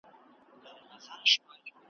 په توره شپه کي د آدم له زوی انسانه ګوښه ,